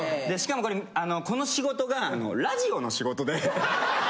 しかもこの仕事がラジオの仕事で。